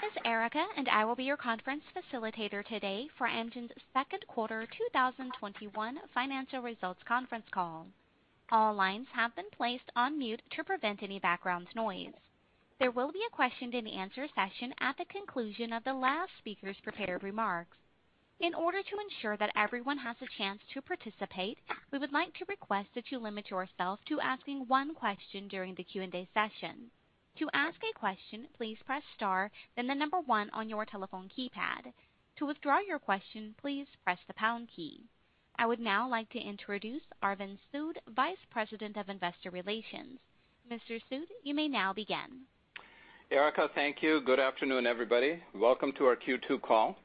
This is Erica, and I will be your conference facilitator today for Amgen's Q2 2021 financial results conference call. All lines have been placed on mute to prevent any background noise. There will be a question and answer session at the conclusion of the last speaker's prepared remarks. In order to ensure that everyone has a chance to participate, we would like to request that you limit yourself to asking one question during the Q&A session. To ask a question, please press star, then the number 1 on your telephone keypad. To withdraw your question, please press the pound key. I would now like to introduce Arvind Sood, Vice President of Investor Relations. Mr. Sood, you may now begin. Erica, thank you. Good afternoon, everybody. Welcome to our Q2 call.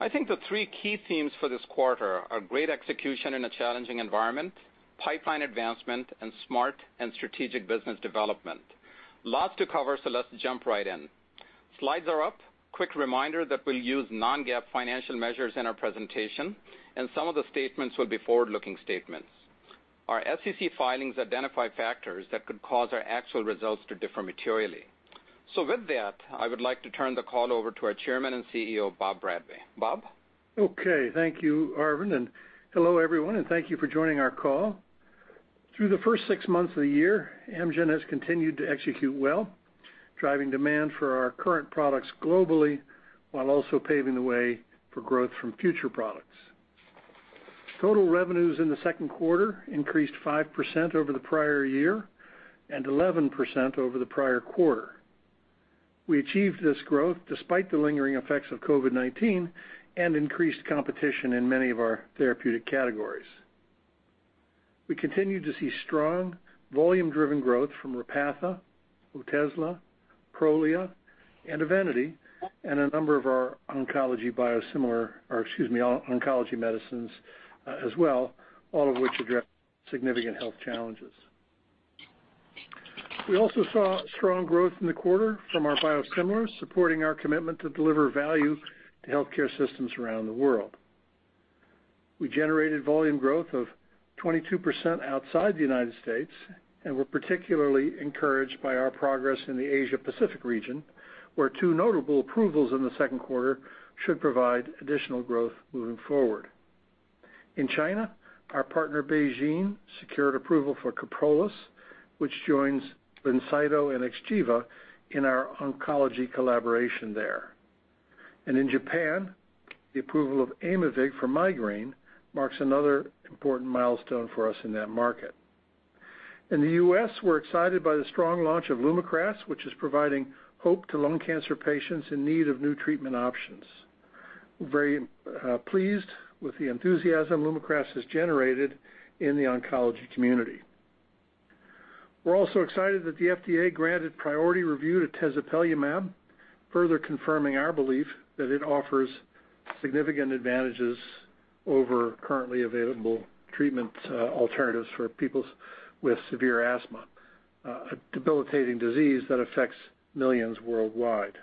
I think the three key themes for this quarter are great execution in a challenging environment, pipeline advancement, and smart and strategic business development. Lots to cover, so let's jump right in. Slides are up. Quick reminder that we will use non-GAAP financial measures in our presentation, and some of the statements will be forward-looking statements. Our SEC filings identify factors that could cause our actual results to differ materially. With that, I would like to turn the call over to our Chairman and CEO, Bob Bradway. Bob? Okay. Thank you, Arvind. Hello, everyone, thank you for joining our call. Through the first 6 months of the year, Amgen has continued to execute well, driving demand for our current products globally, while also paving the way for growth from future products. Total revenues in the Q2 increased 5% over the prior year and 11% over the prior quarter. We achieved this growth despite the lingering effects of COVID-19 and increased competition in many of our therapeutic categories. We continued to see strong volume-driven growth from Repatha, Otezla, Prolia, and Evenity, and a number of our oncology biosimilar, oncology medicines as well, all of which address significant health challenges. We also saw strong growth in the quarter from our biosimilars, supporting our commitment to deliver value to healthcare systems around the world. We generated volume growth of 22% outside the U.S. and were particularly encouraged by our progress in the Asia-Pacific region, where 2 notable approvals in the Q2 should provide additional growth moving forward. In China, our partner BeiGene secured approval for KYPROLIS, which joins MVASI and XGEVA in our oncology collaboration there. In Japan, the approval of Aimovig for migraine marks another important milestone for us in that market. In the U.S., we're excited by the strong launch of LUMAKRAS, which is providing hope to lung cancer patients in need of new treatment options. We're very pleased with the enthusiasm LUMAKRAS has generated in the oncology community. We're also excited that the FDA granted priority review to tezepelumab, further confirming our belief that it offers significant advantages over currently available treatment alternatives for people with severe asthma, a debilitating disease that affects millions worldwide.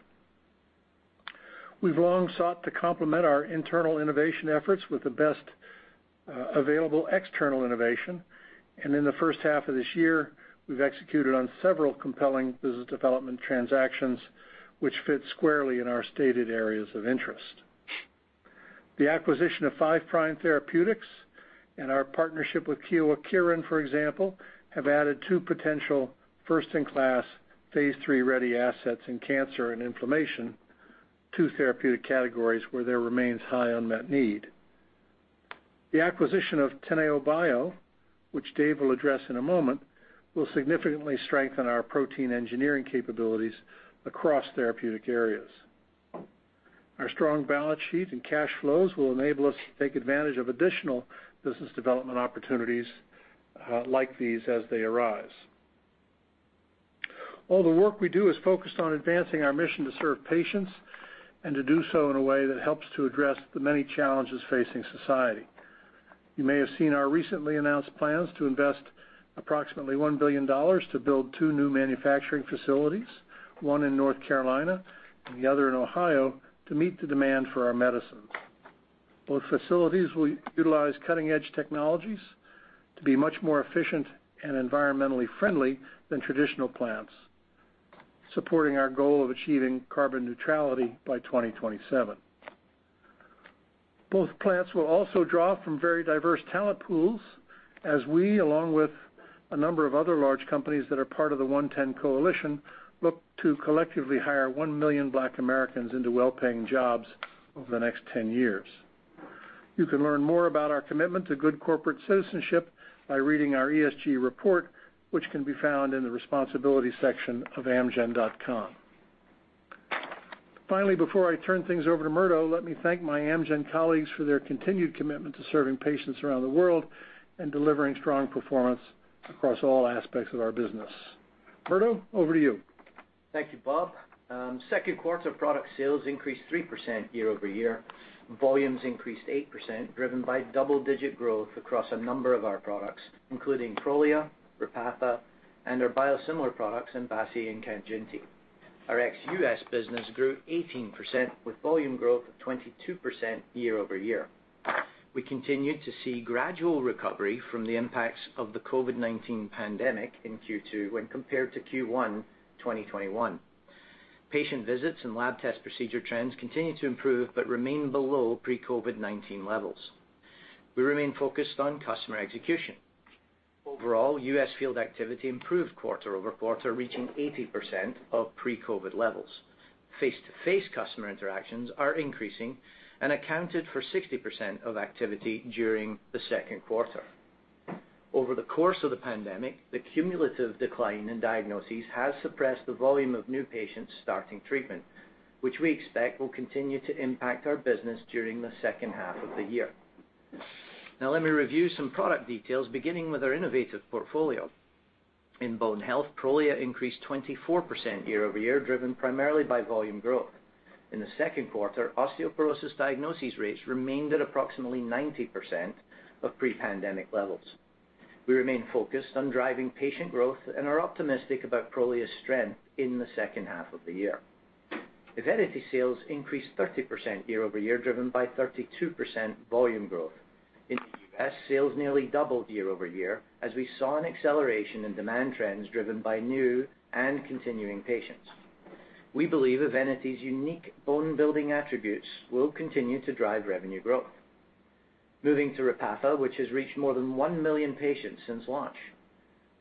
We've long sought to complement our internal innovation efforts with the best available external innovation, in the first half of this year, we've executed on several compelling business development transactions which fit squarely in our stated areas of interest. The acquisition of Five Prime Therapeutics and our partnership with Kyowa Kirin, for example, have added two potential first-in-class phase III-ready assets in cancer and inflammation, two therapeutic categories where there remains high unmet need. The acquisition of Teneobio, which Dave will address in a moment, will significantly strengthen our protein engineering capabilities across therapeutic areas. Our strong balance sheet and cash flows will enable us to take advantage of additional business development opportunities like these as they arise. All the work we do is focused on advancing our mission to serve patients and to do so in a way that helps to address the many challenges facing society. You may have seen our recently announced plans to invest approximately $1 billion to build two new manufacturing facilities, one in North Carolina and the other in Ohio, to meet the demand for our medicines. Both facilities will utilize cutting-edge technologies to be much more efficient and environmentally friendly than traditional plants, supporting our goal of achieving carbon neutrality by 2027. Both plants will also draw from very diverse talent pools as we, along with a number of other large companies that are part of the OneTen Coalition, look to collectively hire 1 million Black Americans into well-paying jobs over the next 10 years. You can learn more about our commitment to good corporate citizenship by reading our ESG report, which can be found in the Responsibility section of Amgen.com. Finally, before I turn things over to Murdo, let me thank my Amgen colleagues for their continued commitment to serving patients around the world and delivering strong performance across all aspects of our business. Murdo, over to you. Thank you, Bob. Q2 product sales increased 3% year-over-year. Volumes increased 8%, driven by double-digit growth across a number of our products, including Prolia, Repatha, and our biosimilar products, MVASI and KANJINTI. Our ex-U.S. business grew 18%, with volume growth of 22% year-over-year. We continued to see gradual recovery from the impacts of the COVID-19 pandemic in Q2 when compared to Q1 2021. Patient visits and lab test procedure trends continue to improve, but remain below pre-COVID-19 levels. We remain focused on customer execution. Overall, U.S. field activity improved quarter-over-quarter, reaching 80% of pre-COVID levels. Face-to-face customer interactions are increasing and accounted for 60% of activity during the Q2. Over the course of the pandemic, the cumulative decline in diagnoses has suppressed the volume of new patients starting treatment, which we expect will continue to impact our business during the second half of the year. Let me review some product details, beginning with our innovative portfolio. In bone health, Prolia increased 24% year-over-year, driven primarily by volume growth. In the Q2, osteoporosis diagnoses rates remained at approximately 90% of pre-pandemic levels. We remain focused on driving patient growth and are optimistic about Prolia's strength in the second half of the year. Evenity sales increased 30% year-over-year, driven by 32% volume growth. In the U.S., sales nearly doubled year-over-year, as we saw an acceleration in demand trends driven by new and continuing patients. We believe Evenity's unique bone-building attributes will continue to drive revenue growth. Moving to Repatha, which has reached more than 1 million patients since launch.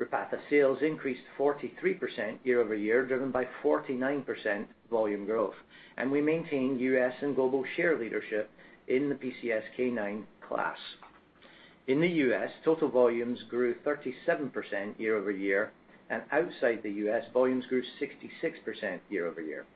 Repatha sales increased 43% year-over-year, driven by 49% volume growth, and we maintain U.S. and global share leadership in the PCSK9 class. In the U.S., total volumes grew 37% year-over-year, and outside the U.S., volumes grew 66% year-over-year.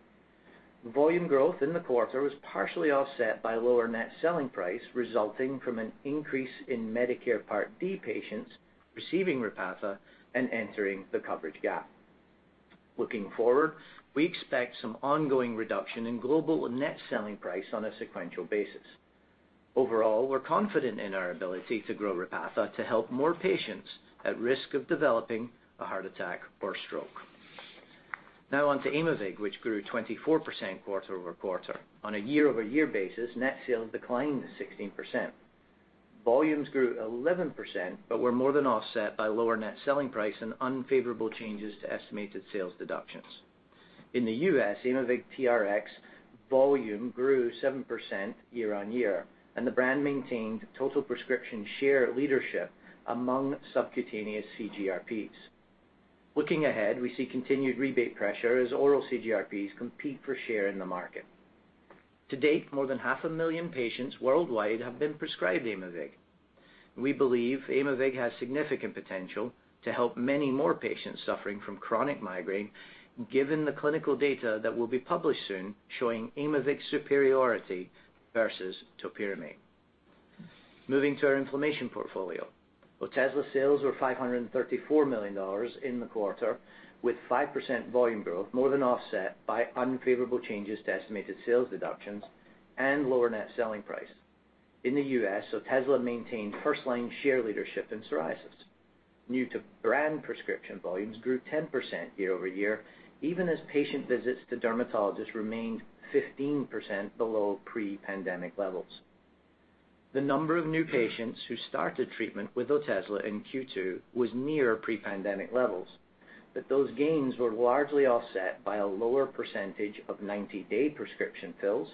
Volume growth in the quarter was partially offset by lower net selling price, resulting from an increase in Medicare Part D patients receiving Repatha and entering the coverage gap. Looking forward, we expect some ongoing reduction in global net selling price on a sequential basis. Overall, we're confident in our ability to grow Repatha to help more patients at risk of developing a heart attack or stroke. Now on to Aimovig, which grew 24% quarter-over-quarter. On a year-over-year basis, net sales declined 16%. Volumes grew 11%, were more than offset by lower net selling price and unfavorable changes to estimated sales deductions. In the U.S., Aimovig TRX volume grew 7% year-over-year, and the brand maintained total prescription share leadership among subcutaneous CGRPs. Looking ahead, we see continued rebate pressure as oral CGRPs compete for share in the market. To date, more than half a million patients worldwide have been prescribed Aimovig. We believe Aimovig has significant potential to help many more patients suffering from chronic migraine, given the clinical data that will be published soon showing Aimovig's superiority versus topiramate. Moving to our inflammation portfolio. Otezla sales were $534 million in the quarter, with 5% volume growth, more than offset by unfavorable changes to estimated sales deductions and lower net selling price. In the U.S., Otezla maintained first-line share leadership in psoriasis. New-to-brand prescription volumes grew 10% year-over-year, even as patient visits to dermatologists remained 15% below pre-pandemic levels. The number of new patients who started treatment with Otezla in Q2 was near pre-pandemic levels, those gains were largely offset by a lower percentage of 90-day prescription fills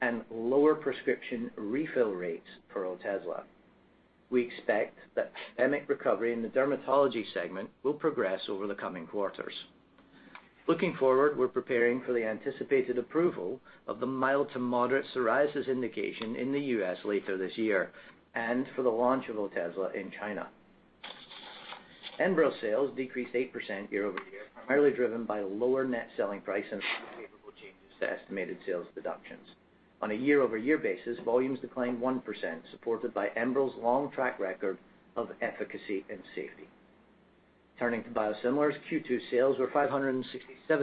and lower prescription refill rates for Otezla. We expect that pandemic recovery in the dermatology segment will progress over the coming quarters. Looking forward, we're preparing for the anticipated approval of the mild to moderate psoriasis indication in the U.S. later this year, and for the launch of Otezla in China. ENBREL sales decreased 8% year-over-year, primarily driven by lower net selling price and favorable changes to estimated sales deductions. On a year-over-year basis, volumes declined 1%, supported by ENBREL's long track record of efficacy and safety. Turning to biosimilars, Q2 sales were $567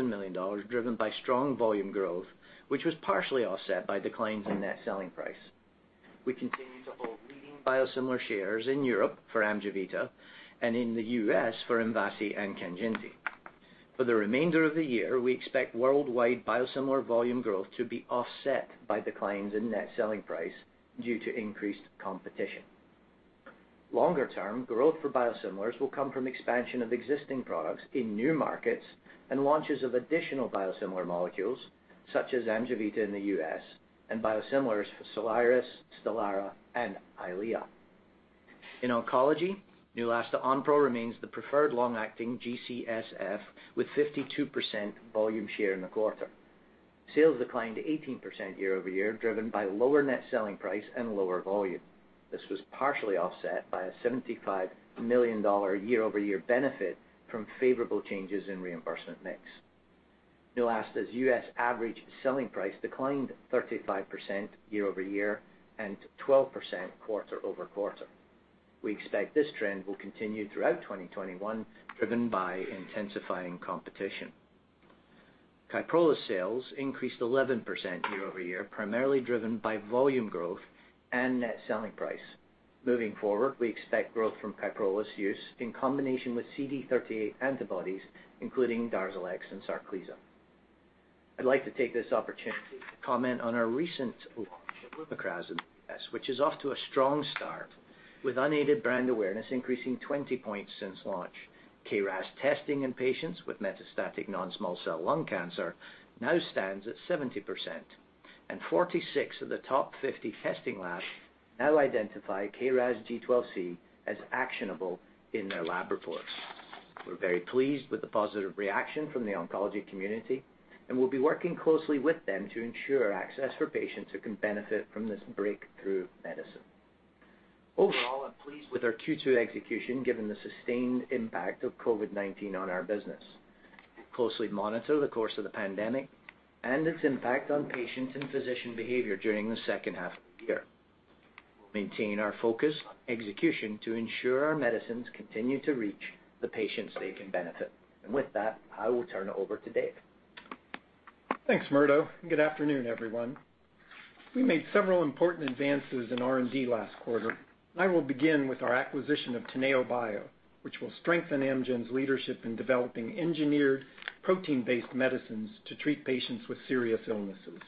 million, driven by strong volume growth, which was partially offset by declines in net selling price. We continue to hold leading biosimilar shares in Europe for AMGEVITA and in the U.S. for MVASI and KANJINTI. For the remainder of the year, we expect worldwide biosimilar volume growth to be offset by declines in net selling price due to increased competition. Longer term, growth for biosimilars will come from expansion of existing products in new markets and launches of additional biosimilar molecules, such as AMGEVITA in the U.S., and biosimilars for SOLIRIS, STELARA, and EYLEA. In oncology, Neulasta Onpro remains the preferred long-acting G-CSF with 52% volume share in the quarter. Sales declined 18% year-over-year, driven by lower net selling price and lower volume. This was partially offset by a $75 million year-over-year benefit from favorable changes in reimbursement mix. Neulasta's U.S. average selling price declined 35% year-over-year and 12% quarter-over-quarter. We expect this trend will continue throughout 2021, driven by intensifying competition. KYPROLIS sales increased 11% year-over-year, primarily driven by volume growth and net selling price. Moving forward, we expect growth from KYPROLIS use in combination with CD38 antibodies, including DARZALEX and SARCLISA. I'd like to take this opportunity to comment on our recent launch of LUMAKRAS in the U.S., which is off to a strong start, with unaided brand awareness increasing 20 points since launch. KRAS testing in patients with metastatic non-small cell lung cancer now stands at 70%, and 46 of the top 50 testing labs now identify KRAS G12C as actionable in their lab reports. We're very pleased with the positive reaction from the oncology community, and we'll be working closely with them to ensure access for patients who can benefit from this breakthrough medicine. Overall, I'm pleased with our Q2 execution given the sustained impact of COVID-19 on our business. We'll closely monitor the course of the pandemic and its impact on patient and physician behavior during the second half of the year. We'll maintain our focus on execution to ensure our medicines continue to reach the patients they can benefit. With that, I will turn it over to Dave. Thanks, Murdo. Good afternoon, everyone. We made several important advances in R&D last quarter. I will begin with our acquisition of Teneobio, which will strengthen Amgen's leadership in developing engineered protein-based medicines to treat patients with serious illnesses.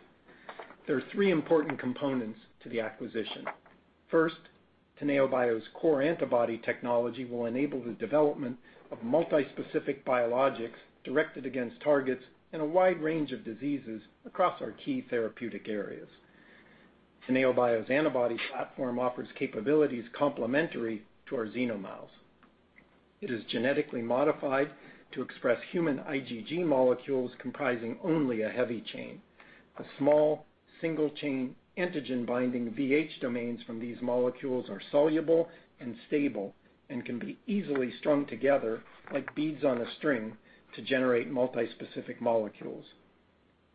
There are three important components to the acquisition. First, Teneobio's core antibody technology will enable the development of multi-specific biologics directed against targets in a wide range of diseases across our key therapeutic areas. Teneobio's antibody platform offers capabilities complementary to our XenoMouse. It is genetically modified to express human IgG molecules comprising only a heavy chain. A small, single-chain antigen binding VH domains from these molecules are soluble and stable and can be easily strung together like beads on a string to generate multi-specific molecules.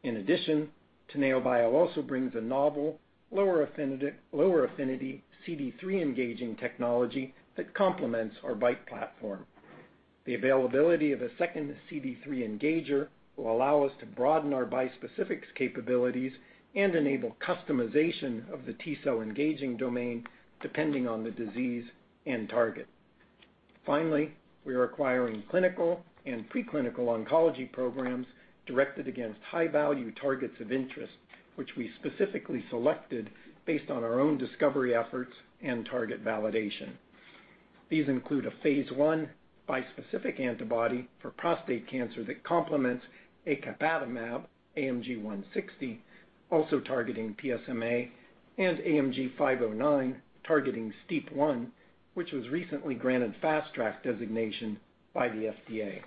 In addition, Teneobio also brings a novel lower affinity CD3 engaging technology that complements our BiTE platform. The availability of a second CD3 engager will allow us to broaden our bispecifics capabilities and enable customization of the T cell engaging domain depending on the disease and target. Finally, we are acquiring clinical and pre-clinical oncology programs directed against high-value targets of interest, which we specifically selected based on our own discovery efforts and target validation. These include a phase I bispecific antibody for prostate cancer that complements acapatamab, AMG 160, also targeting PSMA, and AMG 509, targeting STEAP1, which was recently granted Fast Track designation by the FDA.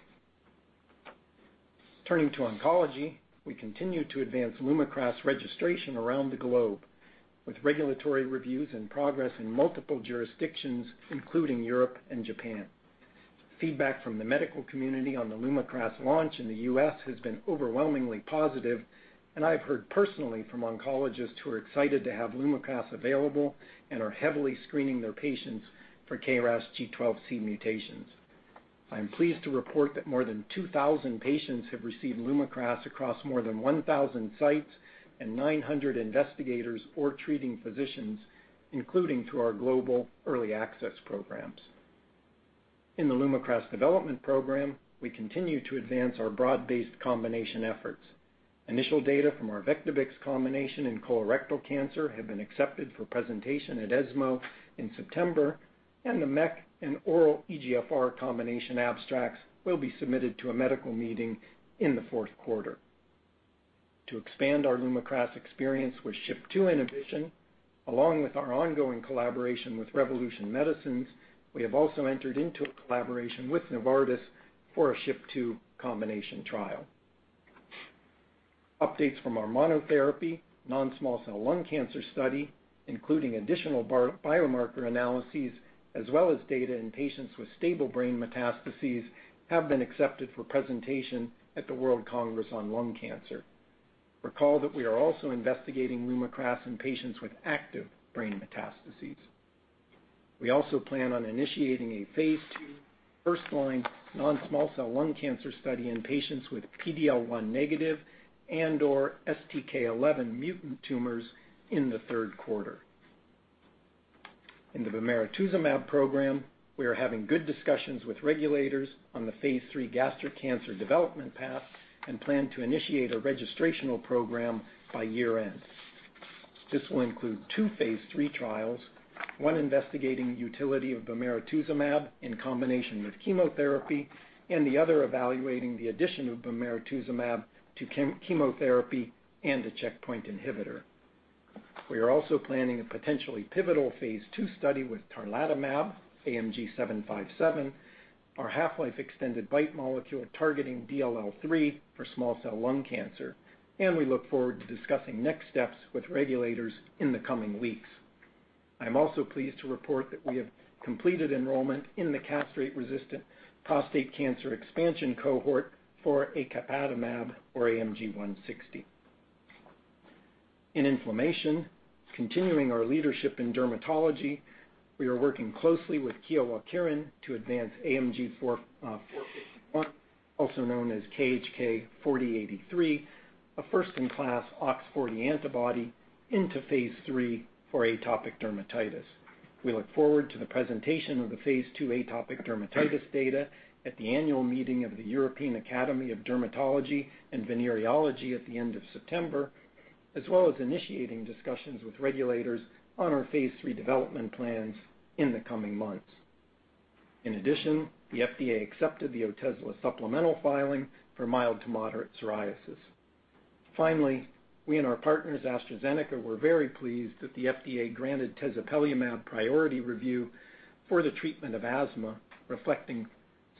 Turning to oncology, we continue to advance LUMAKRAS registration around the globe with regulatory reviews and progress in multiple jurisdictions, including Europe and Japan. Feedback from the medical community on the Lumakras launch in the U.S. has been overwhelmingly positive, and I've heard personally from oncologists who are excited to have Lumakras available and are heavily screening their patients for KRAS G12C mutations. I'm pleased to report that more than 2,000 patients have received Lumakras across more than 1,000 sites and 900 investigators or treating physicians, including through our global early access programs. In the Lumakras development program, we continue to advance our broad-based combination efforts. Initial data from our Vectibix combination in colorectal cancer have been accepted for presentation at ESMO in September, and the MEK and oral EGFR combination abstracts will be submitted to a medical meeting in the fourth quarter. To expand our Lumakras experience with SHP2 inhibition, along with our ongoing collaboration with Revolution Medicines, we have also entered into a collaboration with Novartis for a SHP2 combination trial. Updates from our monotherapy non-small cell lung cancer study, including additional biomarker analyses as well as data in patients with stable brain metastases, have been accepted for presentation at the World Conference on Lung Cancer. Recall that we are also investigating LUMAKRAS in patients with active brain metastases. We also plan on initiating a phase II first-line non-small cell lung cancer study in patients with PD-L1 negative and/or STK11 mutant tumors in the 3rd quarter. In the bemarituzumab program, we are having good discussions with regulators on the phase III gastric cancer development path and plan to initiate a registrational program by year-end. This will include two phase III trials, one investigating the utility of bemarituzumab in combination with chemotherapy, and the other evaluating the addition of bemarituzumab to chemotherapy and a checkpoint inhibitor. We are also planning a potentially pivotal phase II study with tarlatamab, AMG 757, our half-life extended BiTE molecule targeting DLL3 for small cell lung cancer. We look forward to discussing next steps with regulators in the coming weeks. I'm also pleased to report that we have completed enrollment in the castrate-resistant prostate cancer expansion cohort for acapatamab or AMG 160. In inflammation, continuing our leadership in dermatology, we are working closely with Kyowa Kirin to advance AMG 451, also known as KHK4083, a first-in-class OX40 antibody, into phase III for atopic dermatitis. We look forward to the presentation of the Phase II atopic dermatitis data at the annual meeting of the European Academy of Dermatology and Venereology at the end of September, as well as initiating discussions with regulators on our Phase III development plans in the coming months. The FDA accepted the Otezla supplemental filing for mild to moderate psoriasis. We and our partners, AstraZeneca, were very pleased that the FDA granted tezepelumab priority review for the treatment of asthma, reflecting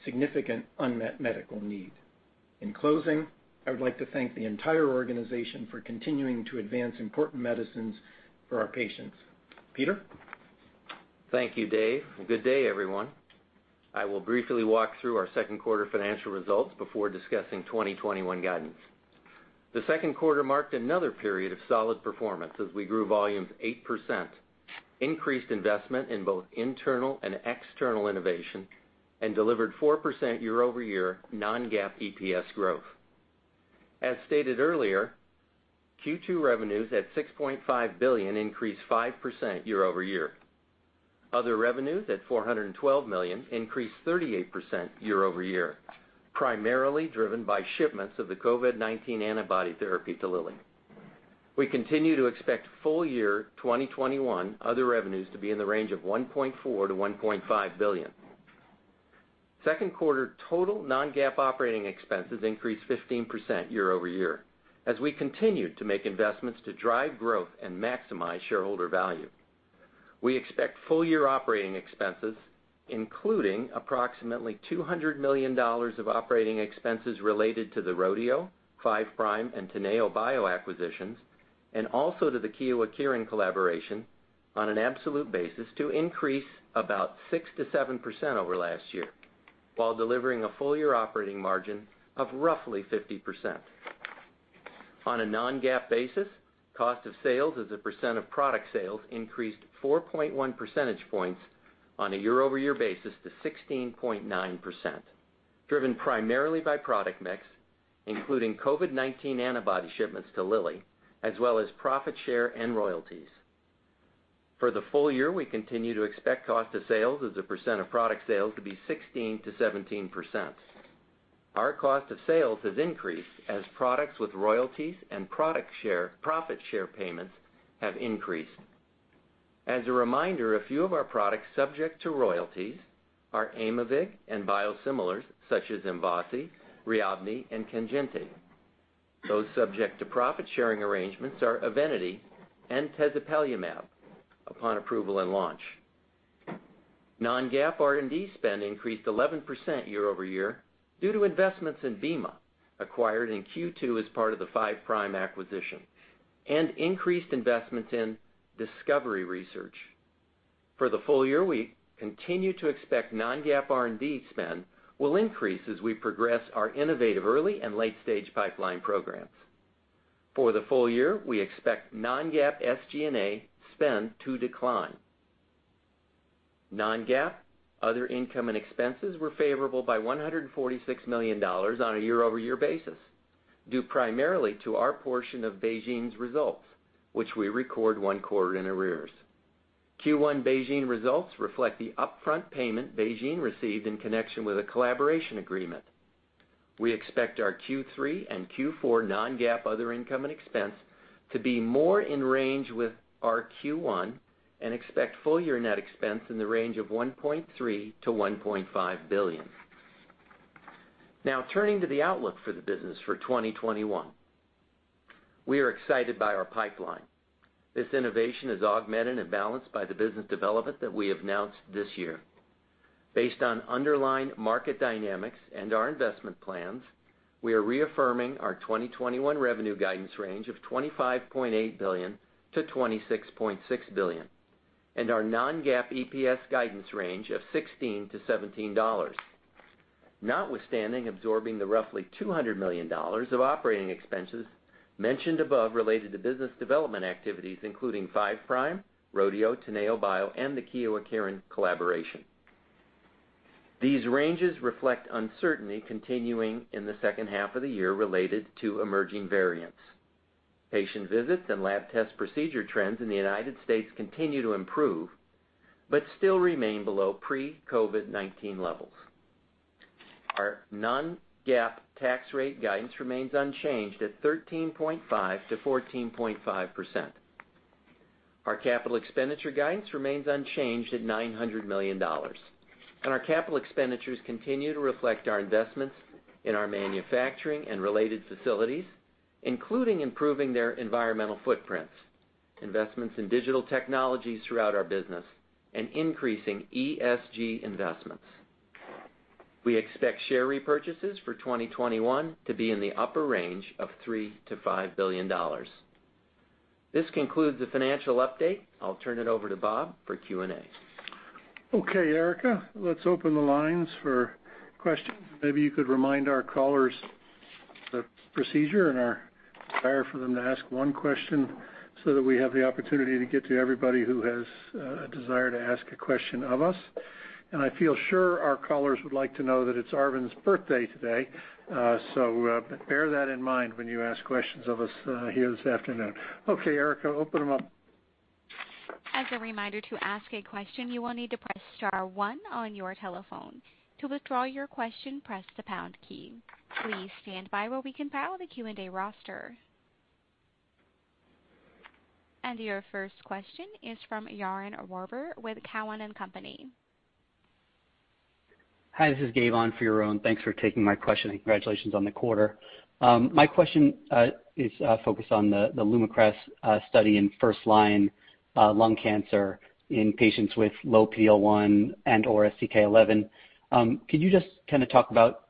significant unmet medical need. In closing, I would like to thank the entire organization for continuing to advance important medicines for our patients. Peter? Thank you, Dave, and good day, everyone. I will briefly walk through our Q2 financial results before discussing 2021 guidance. The Q2 marked another period of solid performance as we grew volumes 8%, increased investment in both internal and external innovation, and delivered 4% year-over-year non-GAAP EPS growth. As stated earlier, Q2 revenues at $6.5 billion increased 5% year-over-year. Other revenues at $412 million increased 38% year-over-year, primarily driven by shipments of the COVID-19 antibody therapy to Lilly. We continue to expect full year 2021 other revenues to be in the range of $1.4 billion-$1.5 billion. Q2 total non-GAAP operating expenses increased 15% year-over-year as we continued to make investments to drive growth and maximize shareholder value. We expect full-year operating expenses, including approximately $200 million of operating expenses related to the Rodeo, Five Prime, and Teneobio acquisitions, and also to the Kyowa Kirin collaboration on an absolute basis to increase about 6%-7% over last year, while delivering a full-year operating margin of roughly 50%. On a non-GAAP basis, cost of sales as a percent of product sales increased 4.1 percentage points on a year-over-year basis to 16.9%, driven primarily by product mix, including COVID-19 antibody shipments to Lilly, as well as profit share and royalties. For the full year, we continue to expect cost of sales as a percent of product sales to be 16%-17%. Our cost of sales has increased as products with royalties and profit share payments have increased. As a reminder, a few of our products subject to royalties are Aimovig and biosimilars such as MVASI, RIABNI, and KANJINTI. Those subject to profit-sharing arrangements are EVENITY and tezepelumab upon approval and launch. Non-GAAP R&D spend increased 11% year-over-year due to investments in bemarituzumab, acquired in Q2 as part of the Five Prime acquisition, and increased investments in discovery research. For the full year, we continue to expect non-GAAP R&D spend will increase as we progress our innovative early and late-stage pipeline programs. For the full year, we expect non-GAAP SG&A spend to decline. Non-GAAP, other income and expenses were favorable by $146 million on a year-over-year basis, due primarily to our portion of BeiGene's results, which we record one quarter in arrears. Q1 BeiGene results reflect the upfront payment BeiGene received in connection with a collaboration agreement. We expect our Q3 and Q4 non-GAAP other income and expense to be more in range with our Q1 and expect full-year net expense in the range of $1.3 billion-$1.5 billion. Turning to the outlook for the business for 2021. We are excited by our pipeline. This innovation is augmented and balanced by the business development that we have announced this year. Based on underlying market dynamics and our investment plans, we are reaffirming our 2021 revenue guidance range of $25.8 billion-$26.6 billion and our non-GAAP EPS guidance range of $16-$17, notwithstanding absorbing the roughly $200 million of operating expenses mentioned above related to business development activities including Five Prime, Rodeo, Teneobio, and the Kyowa Kirin collaboration. These ranges reflect uncertainty continuing in the second half of the year related to emerging variants. Patient visits and lab test procedure trends in the U.S. continue to improve, but still remain below pre-COVID-19 levels. Our non-GAAP tax rate guidance remains unchanged at 13.5%-14.5%. Our capital expenditure guidance remains unchanged at $900 million, and our capital expenditures continue to reflect our investments in our manufacturing and related facilities, including improving their environmental footprints, investments in digital technologies throughout our business, and increasing ESG investments. We expect share repurchases for 2021 to be in the upper range of $3 billion-$5 billion. This concludes the financial update. I'll turn it over to Bob for Q&A. Okay, Erica, let's open the lines for questions. Maybe you could remind our callers the procedure and our desire for them to ask one question so that we have the opportunity to get to everybody who has a desire to ask a question of us. I feel sure our callers would like to know that it's Arvind's birthday today, so bear that in mind when you ask questions of us here this afternoon. Okay, Erica, open them up Your first question is from Yaron Werber with Cowen and Company. Hi, this is Dave on for Yaron Werber. Thanks for taking my question. Congratulations on the quarter. My question is focused on the LUMAKRAS study in first-line lung cancer in patients with low PD-L1 and/or STK11. Could you just talk about,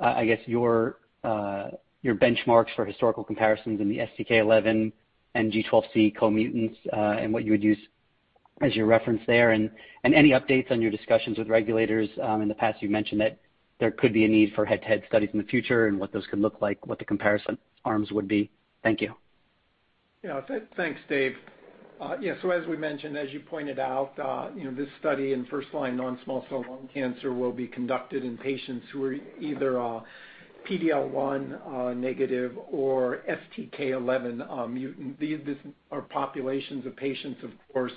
I guess, your benchmarks for historical comparisons in the STK11 and KRAS G12C co-mutants, and what you would use as your reference there, and any updates on your discussions with regulators? In the past, you mentioned that there could be a need for head-to-head studies in the future, and what those could look like, what the comparison arms would be. Thank you. Thanks, Dave. As we mentioned, as you pointed out, this study in first-line non-small cell lung cancer will be conducted in patients who are either PD-L1 negative or STK11 mutant. These are populations of patients, of course,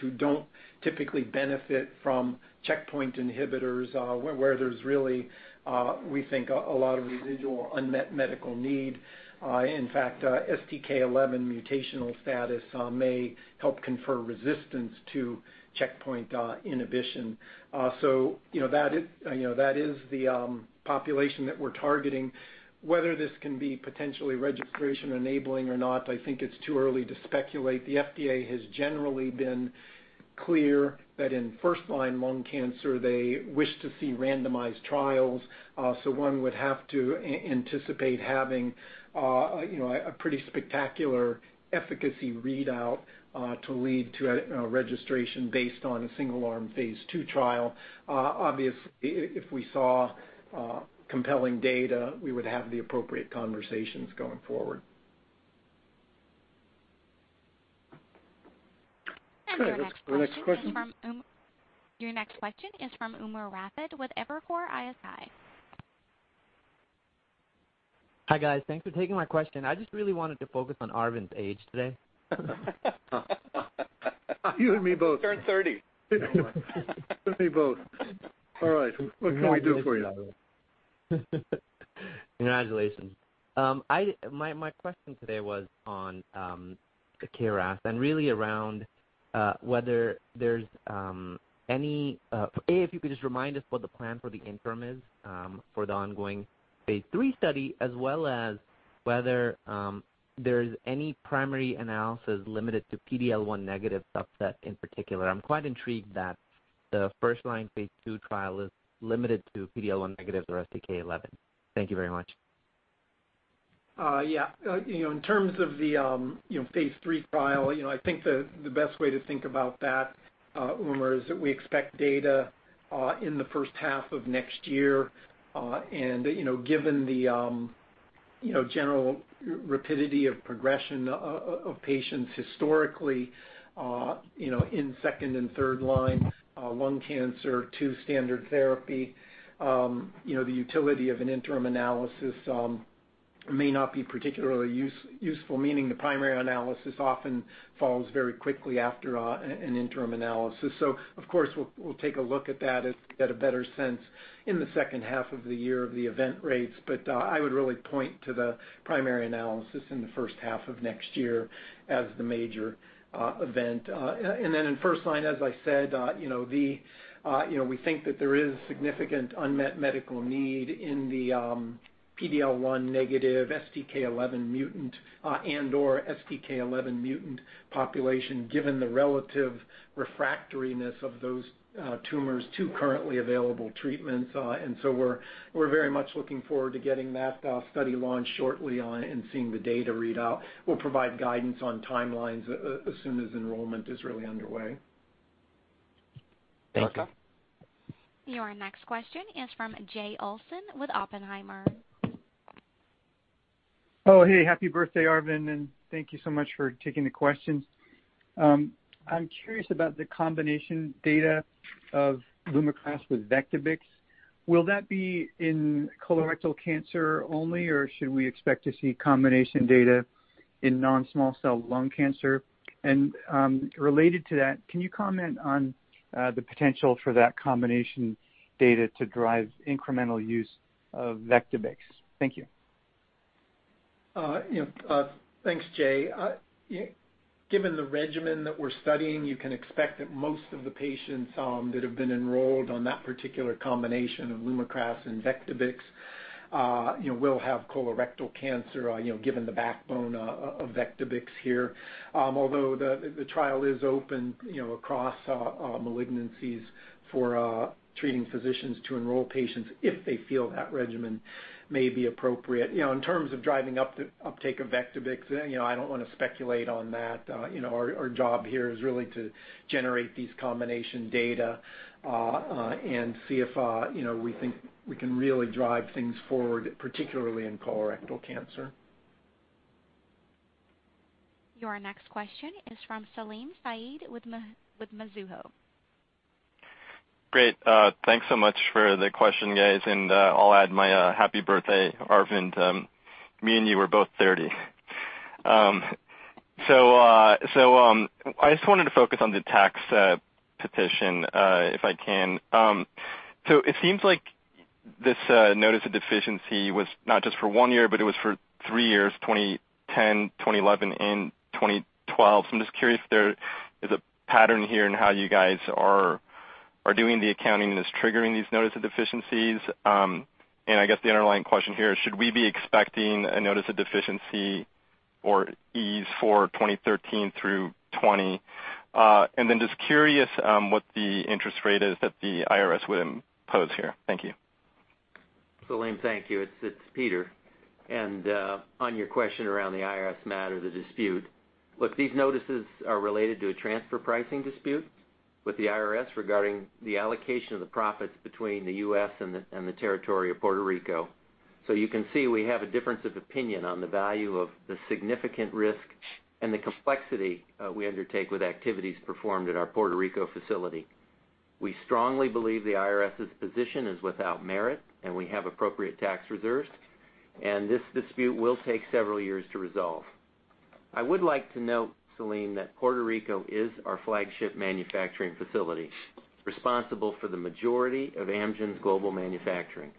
who don't typically benefit from checkpoint inhibitors, where there's really, we think, a lot of residual unmet medical need. In fact, STK11 mutational status may help confer resistance to checkpoint inhibition. That is the population that we're targeting. Whether this can be potentially registration enabling or not, I think it's too early to speculate. The FDA has generally been clear that in first-line lung cancer, they wish to see randomized trials. One would have to anticipate having a pretty spectacular efficacy readout to lead to a registration based on a single-arm phase II trial. Obviously, if we saw compelling data, we would have the appropriate conversations going forward. Okay, next question. Your next question is from Umer Raffat with Evercore ISI. Hi, guys. Thanks for taking my question. I just really wanted to focus on Arvind's age today. You and me both. He turned 30. You and me both. All right. What can we do for you? Congratulations. My question today was on the KRAS and really around whether there's any, A, if you could just remind us what the plan for the interim is for the ongoing phase III study, as well as whether there's any primary analysis limited to PD-L1 negative subset in particular. I'm quite intrigued that the first-line phase II trial is limited to PD-L1 negative or STK11. Thank you very much. Yeah. In terms of the phase III trial, I think the best way to think about that, Umer, is that we expect data in the first half of next year. Given the general rapidity of progression of patients historically, in second- and third-line lung cancer to standard therapy, the utility of an interim analysis may not be particularly useful, meaning the primary analysis often follows very quickly after an interim analysis. Of course, we'll take a look at that, as we get a better sense in the second half of the year of the event rates. I would really point to the primary analysis in the first half of next year as the major event. In first line, as I said, we think that there is significant unmet medical need in the PD-L1 negative STK11 mutant and/or STK11 mutant population, given the relative refractoriness of those tumors to currently available treatments. We're very much looking forward to getting that study launched shortly and seeing the data read out. We'll provide guidance on timelines as soon as enrollment is really underway. Thank you. Okay. Your next question is from Jay Olson with Oppenheimer. Hey, happy birthday, Arvind, thank you so much for taking the questions. I'm curious about the combination data of LUMAKRAS with Vectibix. Will that be in colorectal cancer only, or should we expect to see combination data in non-small cell lung cancer? Related to that, can you comment on the potential for that combination data to drive incremental use of Vectibix? Thank you. Yeah. Thanks, Jay. Given the regimen that we're studying, you can expect that most of the patients that have been enrolled on that particular combination of LUMAKRAS and Vectibix will have colorectal cancer, given the backbone of Vectibix here. Although the trial is open across malignancies for treating physicians to enroll patients if they feel that regimen may be appropriate. In terms of driving uptake of Vectibix, I don't want to speculate on that. Our job here is really to generate these combination data and see if we think we can really drive things forward, particularly in colorectal cancer. Your next question is from Salim Syed with Mizuho. Great. Thanks so much for the question, guys, and I'll add my happy birthday, Arvind. Me and you are both 30. I just wanted to focus on the tax petition, if I can. It seems like this notice of deficiency was not just for one year, but it was for three years, 2010, 2011, and 2012. I'm just curious if there is a pattern here in how you guys are doing the accounting that's triggering these notice of deficiencies. I guess the underlying question here is, should we be expecting a notice of deficiency or these for 2013 through 2020? Just curious what the interest rate is that the IRS would impose here. Thank you. Salim, thank you. It's Peter. On your question around the IRS matter, the dispute, look, these notices are related to a transfer pricing dispute with the IRS regarding the allocation of the profits between the U.S. and the territory of Puerto Rico. You can see we have a difference of opinion on the value of the significant risk and the complexity we undertake with activities performed at our Puerto Rico facility. We strongly believe the IRS's position is without merit, and we have appropriate tax reserves, and this dispute will take several years to resolve. I would like to note, Salim, that Puerto Rico is our flagship manufacturing facility, responsible for the majority of Amgen's global manufacturing.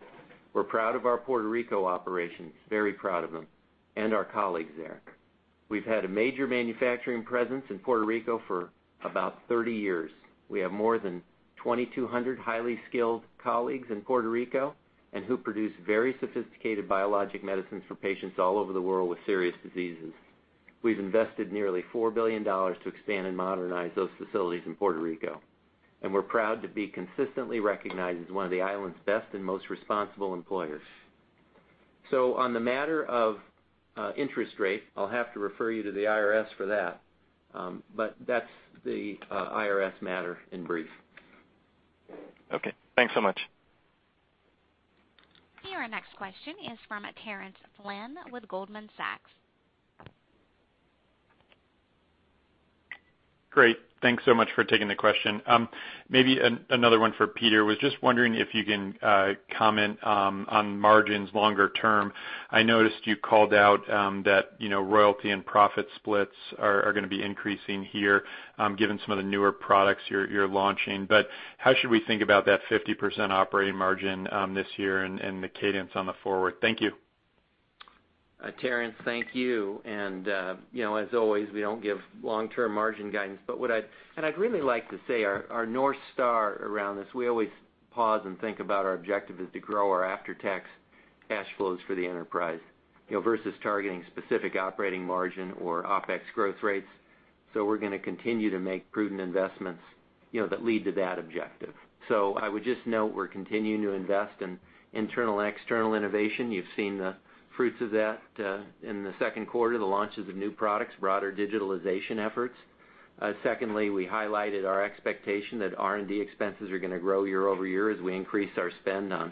We're proud of our Puerto Rico operations, very proud of them, and our colleagues there. We've had a major manufacturing presence in Puerto Rico for about 30 years. We have more than 2,200 highly skilled colleagues in Puerto Rico and who produce very sophisticated biologic medicines for patients all over the world with serious diseases. We've invested nearly $4 billion to expand and modernize those facilities in Puerto Rico. We're proud to be consistently recognized as one of the island's best and most responsible employers. On the matter of interest rate, I'll have to refer you to the IRS for that. That's the IRS matter in brief. Okay, thanks so much. Our next question is from Terence Flynn with Goldman Sachs. Great. Thanks so much for taking the question. Maybe another one for Peter. Was just wondering if you can comment on margins longer term. I noticed you called out that royalty and profit splits are going to be increasing here given some of the newer products you're launching. How should we think about that 50% operating margin this year and the cadence on the forward? Thank you. Terence, thank you. As always, we don't give long-term margin guidance. What I'd really like to say, our North Star around this, we always pause and think about our objective is to grow our after-tax cash flows for the enterprise versus targeting specific operating margin or OpEx growth rates. We're going to continue to make prudent investments that lead to that objective. I would just note we're continuing to invest in internal and external innovation. You've seen the fruits of that in the Q2, the launches of new products, broader digitalization efforts. Secondly, we highlighted our expectation that R&D expenses are going to grow year-over-year as we increase our spend on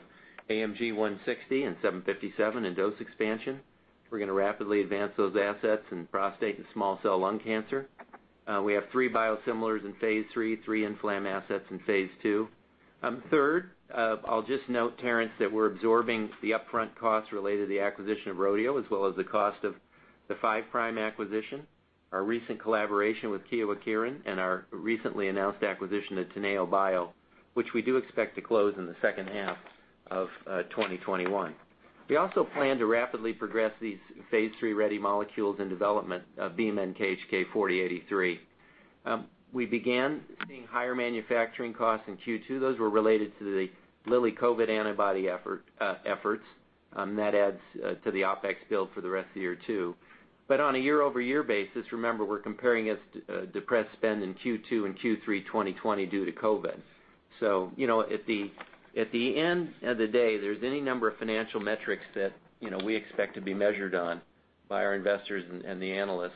AMG 160 and AMG 757 and dose expansion. We're going to rapidly advance those assets in prostate and small cell lung cancer. We have three biosimilars in phase III, three inflam assets in phase II. Third, I'll just note, Terence Flynn, that we're absorbing the upfront costs related to the acquisition of Rodeo Therapeutics, as well as the cost of the Five Prime Therapeutics acquisition, our recent collaboration with Kyowa Kirin, and our recently announced acquisition of Teneobio, which we do expect to close in the second half of 2021. We also plan to rapidly progress these phase III-ready molecules in development, BMN KHK4083. We began seeing higher manufacturing costs in Q2. Those were related to the Lilly COVID antibody efforts. That adds to the OpEx bill for the rest of the year, too. On a year-over-year basis, remember, we're comparing a depressed spend in Q2 and Q3 2020 due to COVID. At the end of the day, there's any number of financial metrics that we expect to be measured on by our investors and the analysts,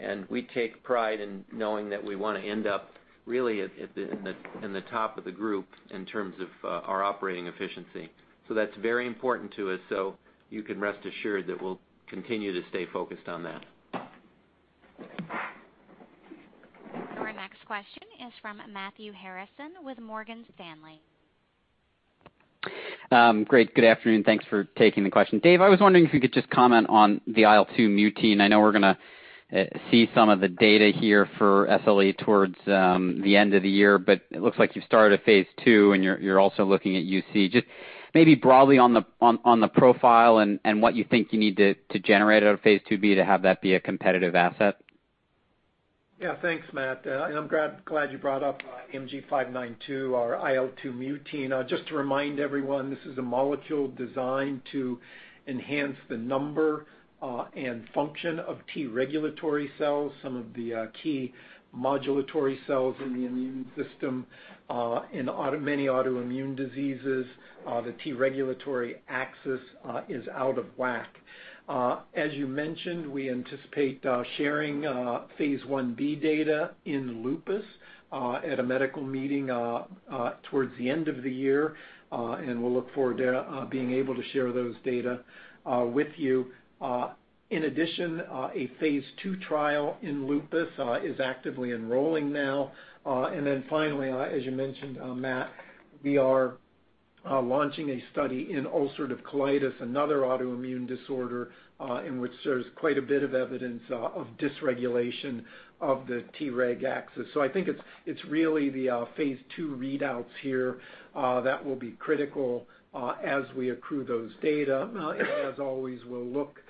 and we take pride in knowing that we want to end up really in the top of the group in terms of our operating efficiency. That's very important to us, so you can rest assured that we'll continue to stay focused on that. Our next question is from Matthew Harrison with Morgan Stanley. Great. Good afternoon. Thanks for taking the question. Dave, I was wondering if you could just comment on the IL-2 mutein. I know we're going to see some of the data here for SLE towards the end of the year, but it looks like you've started a phase II, and you're also looking at UC. Just maybe broadly on the profile and what you think you need to generate out of phase II-B to have that be a competitive asset. Thanks, Matt. I'm glad you brought up AMG 592, our IL-2 mutein. Just to remind everyone, this is a molecule designed to enhance the number and function of T regulatory cells, some of the key modulatory cells in the immune system. In many autoimmune diseases, the T regulatory axis is out of whack. As you mentioned, we anticipate sharing phase I-B data in lupus at a medical meeting towards the end of the year, and we'll look forward to being able to share those data with you. In addition, a phase II trial in lupus is actively enrolling now. Finally, as you mentioned, Matt, we are launching a study in ulcerative colitis, another autoimmune disorder in which there's quite a bit of evidence of dysregulation of the T reg axis. I think it's really the phase II readouts here that will be critical as we accrue those data. As always, we'll look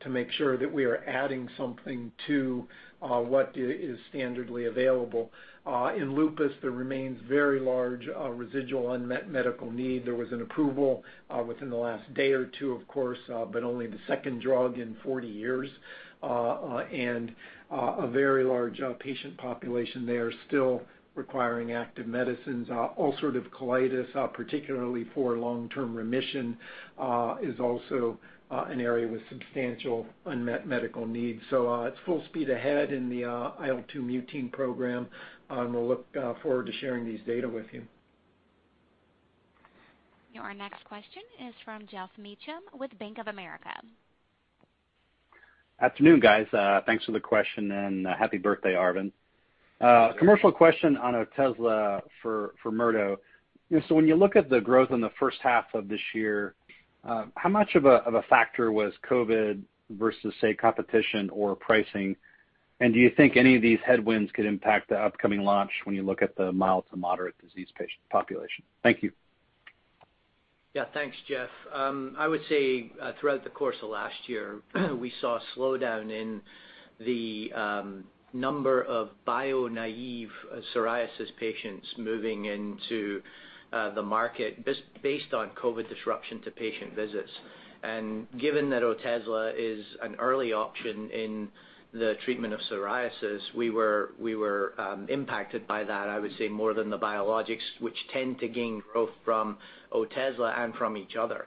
to make sure that we are adding something to what is standardly available. In lupus, there remains very large residual unmet medical need. There was an approval within the last day or two, of course, but only the second drug in 40 years, and a very large outpatient population there still requiring active medicines. Ulcerative colitis, particularly for long-term remission, is also an area with substantial unmet medical needs. It's full speed ahead in the IL-2 mutein program, and we'll look forward to sharing these data with you. Your next question is from Geoff Meacham with Bank of America. Afternoon, guys. Thanks for the question and happy birthday, Arvind. A commercial question on Otezla for Murdo. When you look at the growth in the first half of this year, how much of a factor was COVID versus, say, competition or pricing? Do you think any of these headwinds could impact the upcoming launch when you look at the mild to moderate disease patient population? Thank you. Thanks, Geoff. I would say, throughout the course of last year, we saw a slowdown in the number of bio-naive psoriasis patients moving into the market based on COVID disruption to patient visits. Given that Otezla is an early option in the treatment of psoriasis, we were impacted by that, I would say, more than the biologics, which tend to gain growth from Otezla and from each other.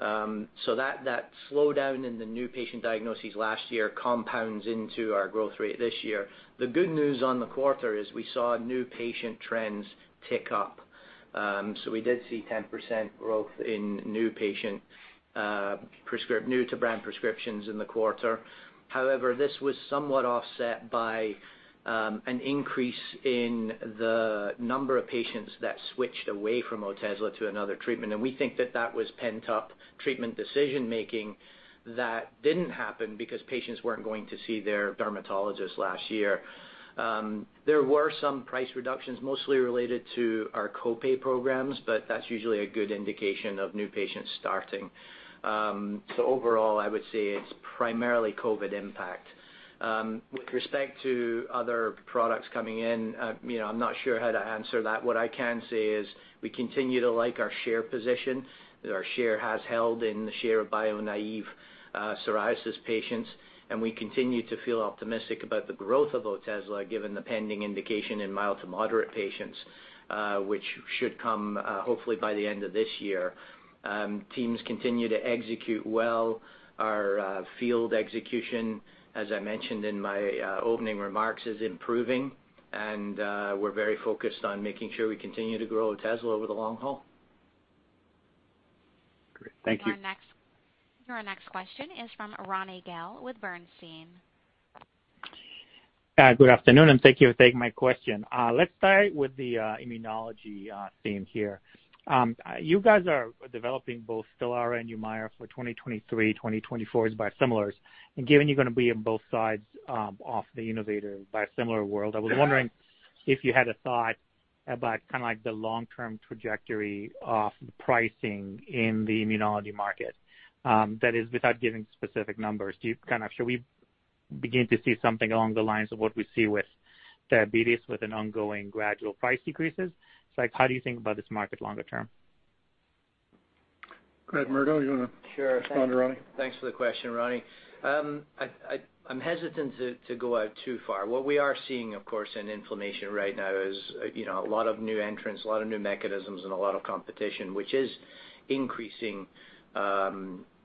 That slowdown in the new patient diagnoses last year compounds into our growth rate this year. The good news on the quarter is we saw new patient trends tick up. We did see 10% growth in new patient, new to brand prescriptions in the quarter. However, this was somewhat offset by an increase in the number of patients that switched away from Otezla to another treatment. We think that that was pent-up treatment decision-making that didn't happen because patients weren't going to see their dermatologist last year. There were some price reductions, mostly related to our co-pay programs, but that's usually a good indication of new patients starting. Overall, I would say it's primarily COVID impact. With respect to other products coming in, I'm not sure how to answer that. What I can say is we continue to like our share position. Our share has held in the share of bio-naive psoriasis patients, and we continue to feel optimistic about the growth of Otezla, given the pending indication in mild to moderate patients, which should come hopefully by the end of this year. Teams continue to execute well. Our field execution, as I mentioned in my opening remarks, is improving, and we're very focused on making sure we continue to grow Otezla over the long haul. Great. Thank you. Your next question is from Ronny Gal with Bernstein. Good afternoon, and thank you for taking my question. Let's start with the immunology theme here. You guys are developing both STELARA and Humira for 2023, 2024 as biosimilars. Given you're going to be on both sides of the innovator biosimilar world, I was wondering if you had a thought about the long-term trajectory of the pricing in the immunology market. That is, without giving specific numbers, should we begin to see something along the lines of what we see with diabetes, with an ongoing gradual price decreases? How do you think about this market longer term? Go ahead, Murdo, you want to. Sure respond to Ronny? Thanks for the question, Ronny. I'm hesitant to go out too far. What we are seeing, of course, in inflammation right now is a lot of new entrants, a lot of new mechanisms, and a lot of competition, which is increasing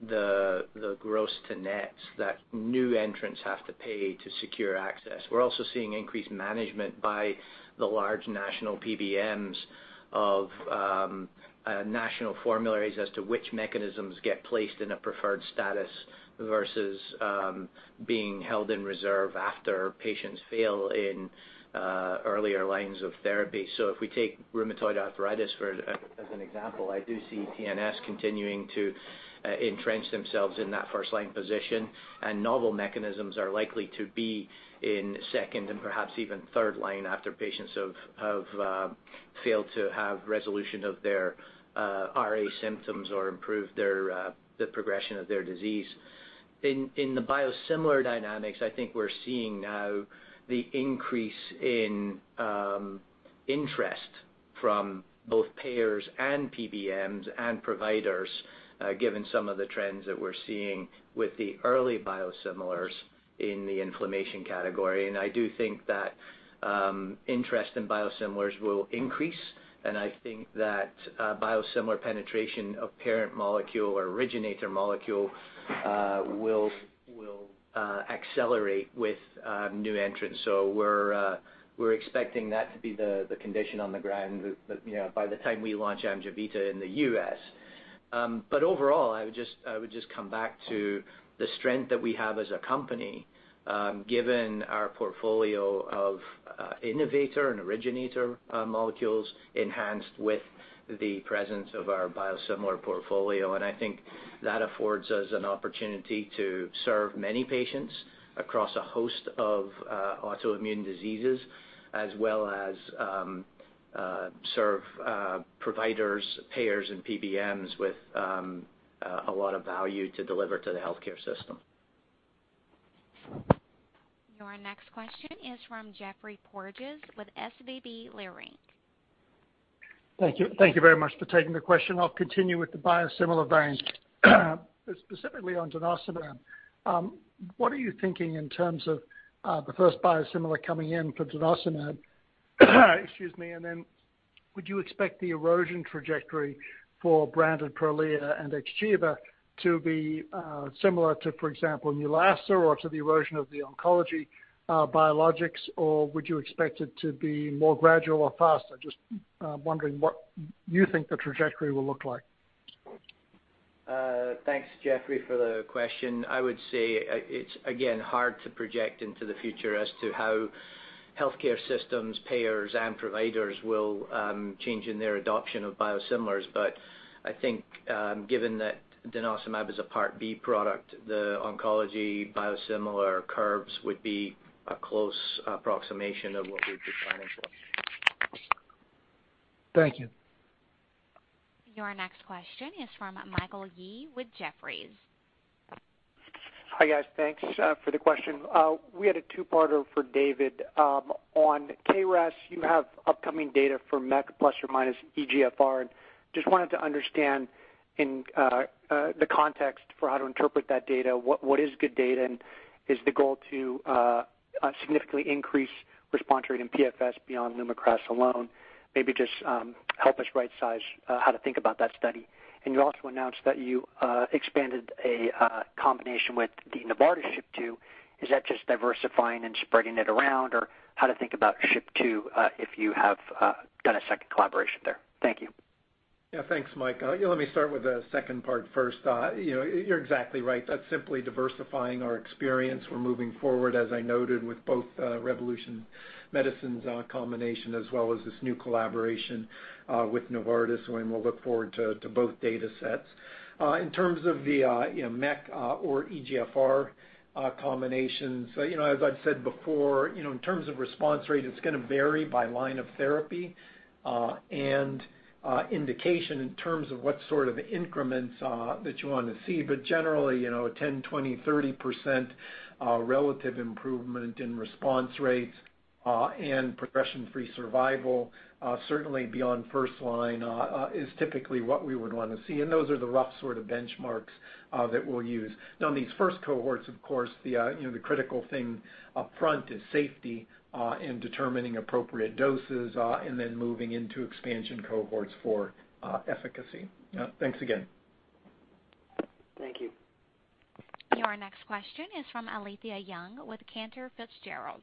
the gross to nets that new entrants have to pay to secure access. We're also seeing increased management by the large national PBMs of national formularies as to which mechanisms get placed in a preferred status versus being held in reserve after patients fail in earlier lines of therapy. If we take rheumatoid arthritis as an example, I do see TNFs continuing to entrench themselves in that first-line position, and novel mechanisms are likely to be in second and perhaps even third line after patients have failed to have resolution of their RA symptoms or improve the progression of their disease. In the biosimilar dynamics, I think we're seeing now the increase in interest from both payers and PBMs and providers, given some of the trends that we're seeing with the early biosimilars in the inflammation category. I do think that interest in biosimilars will increase, and I think that biosimilar penetration of parent molecule or originator molecule will accelerate with new entrants. We're expecting that to be the condition on the ground by the time we launch AMGEVITA in the U.S. Overall, I would just come back to the strength that we have as a company, given our portfolio of innovator and originator molecules enhanced with the presence of our biosimilar portfolio. I think that affords us an opportunity to serve many patients across a host of autoimmune diseases as well as serve providers, payers, and PBMs with a lot of value to deliver to the healthcare system. Your next question is from Geoffrey Porges with SVB Leerink. Thank you very much for taking the question. I'll continue with the biosimilar vein. Specifically on denosumab, what are you thinking in terms of the first biosimilar coming in for denosumab? Excuse me. Would you expect the erosion trajectory for branded Prolia and Xgeva to be similar to, for example, Neulasta or to the erosion of the oncology biologics or would you expect it to be more gradual or faster? Just wondering what you think the trajectory will look like. Thanks, Geoffrey, for the question. I would say it's again, hard to project into the future as to how healthcare systems, payers, and providers will change in their adoption of biosimilars. I think, given that denosumab is a Part B product, the oncology biosimilar curves would be a close approximation of what we'd be planning for. Thank you. Your next question is from Michael Yee with Jefferies. Hi, guys. Thanks for the question. We had a two-parter for David. On KRAS, you have upcoming data for MEK plus or minus EGFR and just wanted to understand in the context for how to interpret that data, what is good data, and is the goal to significantly increase response rate in PFS beyond LUMAKRAS alone? Maybe just help us right size how to think about that study. You also announced that you expanded a combination with the Novartis SHP2. Is that just diversifying and spreading it around or how to think about SHP2 if you have done a 2nd collaboration there? Thank you. Thanks, Mike. Let me start with the second part first. You're exactly right. That's simply diversifying our experience. We're moving forward, as I noted, with both Revolution Medicines combination as well as this new collaboration with Novartis, and we'll look forward to both data sets. In terms of the MEK or EGFR combinations, as I've said before, in terms of response rate, it's going to vary by line of therapy, and indication in terms of what sort of increments that you want to see. Generally, 10, 20, 30% relative improvement in response rates, and progression-free survival, certainly beyond first line, is typically what we would want to see. Those are the rough sort of benchmarks that we'll use. Now, on these first cohorts, of course, the critical thing up front is safety in determining appropriate doses and then moving into expansion cohorts for efficacy. Thanks again. Thank you. Your next question is from Alethia Young with Cantor Fitzgerald.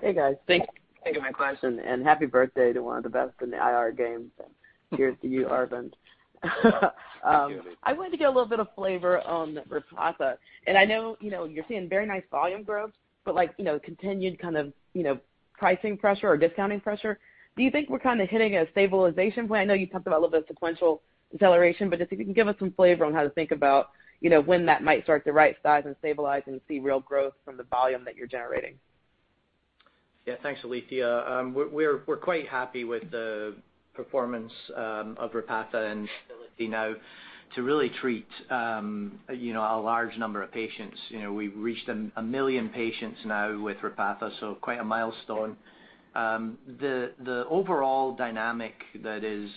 Hey, guys. Thanks for taking my question, and happy birthday to one of the best in the IR game. Here's to you, Arvind. Thank you. I wanted to get a little bit of flavor on Repatha. I know you're seeing very nice volume growth, but continued kind of pricing pressure or discounting pressure. Do you think we're kind of hitting a stabilization point? I know you talked about a little bit of sequential deceleration. Just if you can give us some flavor on how to think about when that might start to right size and stabilize and see real growth from the volume that you're generating. Thanks, Alethia. We're quite happy with the performance of Repatha and ability now to really treat a large number of patients. We've reached 1 million patients now with Repatha, quite a milestone. The overall dynamic that is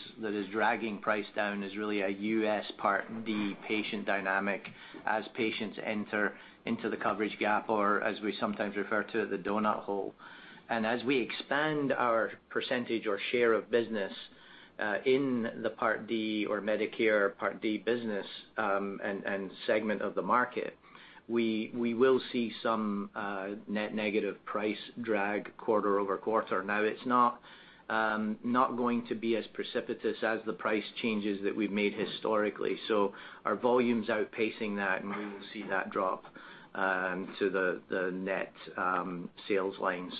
dragging price down is really a U.S. Part D patient dynamic as patients enter into the coverage gap or as we sometimes refer to it, the donut hole. As we expand our percentage or share of business in the Part D or Medicare Part D business, and segment of the market, we will see some net negative price drag quarter-over-quarter. It's not going to be as precipitous as the price changes that we've made historically. Our volume's outpacing that, and we will see that drop to the net sales line.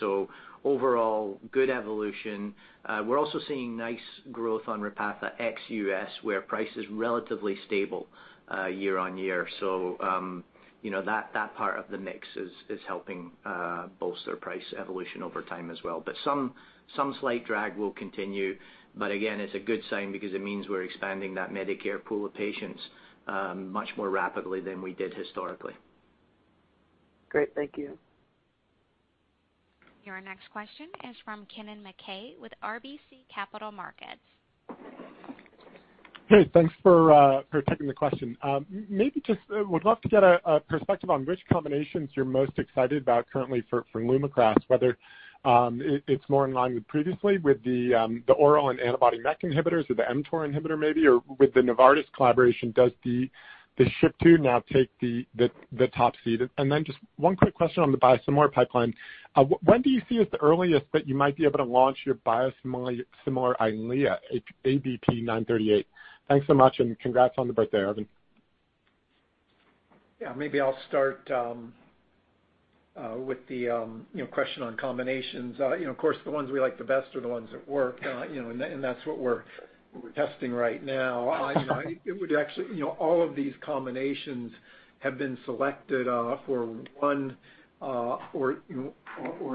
Overall, good evolution. We're also seeing nice growth on Repatha ex-US where price is relatively stable year-on-year. That part of the mix is helping bolster price evolution over time as well. Some slight drag will continue. Again, it's a good sign because it means we're expanding that Medicare pool of patients much more rapidly than we did historically. Great. Thank you. Your next question is from Kennen MacKay with RBC Capital Markets. Hey, thanks for taking the question. Maybe just would love to get a perspective on which combinations you're most excited about currently for LUMAKRAS, whether it's more in line with previously with the oral and antibody MEK inhibitors or the mTOR inhibitor maybe, or with the Novartis collaboration, does the SHP2 now take the top seat? Just one quick question on the biosimilar pipeline. When do you see as the earliest that you might be able to launch your biosimilar EYLEA, ABP 938? Thanks so much, congrats on the birthday, Arvind. Yeah, maybe I'll start with the question on combinations. Of course, the ones we like the best are the ones that work, and that's what we're testing right now. All of these combinations have been selected for one or